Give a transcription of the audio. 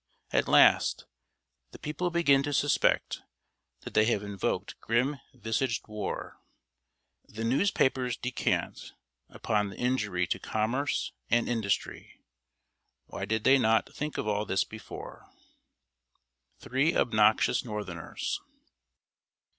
At last, the people begin to suspect that they have invoked grim visaged war. The newspapers descant upon the injury to commerce and industry. Why did they not think of all this before? [Sidenote: THREE OBNOXIOUS NORTHERNERS.